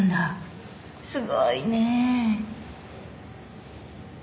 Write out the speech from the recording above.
すごいねぇ。